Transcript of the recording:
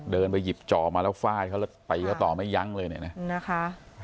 เดินไปหยิบจ่อมาแล้วฟาดเขาแล้วตีเขาต่อไม่ยั้งเลยเนี่ยนะนะคะ